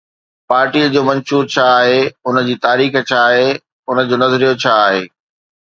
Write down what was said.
پارٽيءَ جو منشور ڇا آهي، ان جي تاريخ ڇا آهي، ان جو نظريو ڇا آهي؟